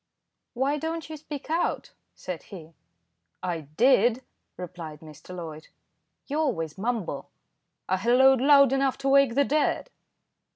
"Why don't you speak out?" said he. "I did," replied Mr. Loyd. "You always mumble." "I halloaed loud enough to wake the dead."